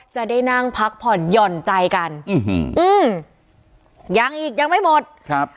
จะได้นั่งพักผ่อนหย่อนใจกันอื้อหืออืมยังอีกยังไม่หมดครับ